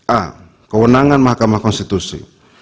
a kewenangan mahkamah konstitusi